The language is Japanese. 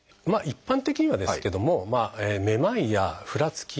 一般的にはですけども「めまい」や「ふらつき」